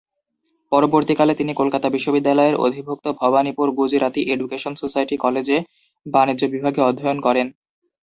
পরবর্তীকালে তিনি কলকাতা বিশ্ববিদ্যালয়ের অধিভুক্ত ভবানীপুর গুজরাতি এডুকেশন সোসাইটি কলেজে বাণিজ্য বিভাগে অধ্যয়ন করেন।